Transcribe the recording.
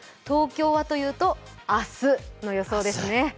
東京はというと明日の予想ですね。